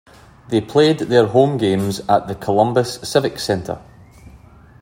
They played their home games at the Columbus Civic Center.